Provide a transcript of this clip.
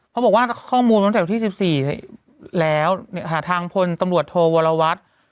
เขาบอกว่าข้อมูลมาตั้งแต่วันที่๑๔แล้วทางพลตำรวจโทวรวัตร